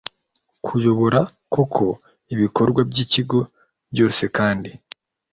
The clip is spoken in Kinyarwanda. Kuyobora koko ibikorwa by ikigo byose kandi